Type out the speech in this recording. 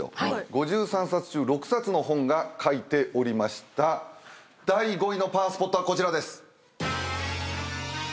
５３冊中６冊の本が書いておりました第５位のパワースポットはこちらです。